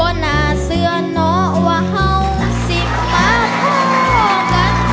บ่หนาเสือหนอว่าเฮ้าสิบมาพ่อกัน